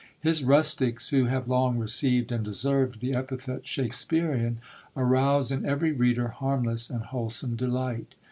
His rustics, who have long received and deserved the epithet "Shakespearian," arouse in every reader harmless and wholesome delight.